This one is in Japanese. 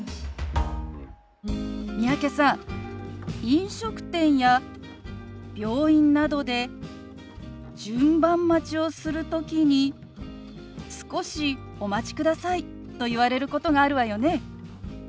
飲食店や病院などで順番待ちをする時に「少しお待ちください」と言われることがあるわよね？